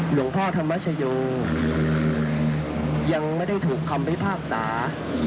หลวงพ่อธรรมชโยยังไม่ได้ถูกคำพิพากษา